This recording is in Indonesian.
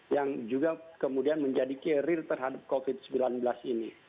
yang juga kemudian menjadi carrier terhadap covid sembilan belas ini